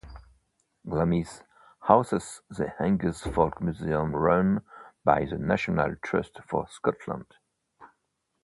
Glamis houses the Angus Folk Museum run by the National Trust for Scotland.